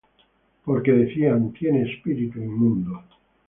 Porque decían: Tiene espíritu inmundo.